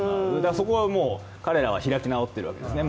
そこはもう、彼らは開き直ってるわけですね。